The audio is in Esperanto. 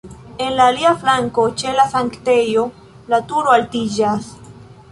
En la alia flanko ĉe la sanktejo la turo altiĝas.